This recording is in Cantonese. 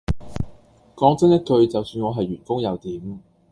講真一句就算我係員工又點